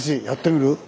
やってみる？